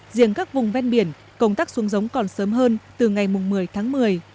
riêng các vùng ven biển công tác xuống giống còn sớm hơn từ ngày một mươi tháng một mươi